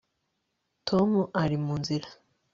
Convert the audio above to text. tom ari mu nzira